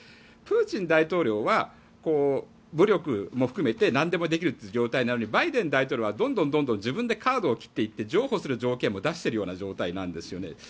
プーチン大統領は武力も含めてなんでもできるという状態なのにバイデン大統領はどんどん自分でカードを切っていって譲歩する条件も出してるような状態なんですよね。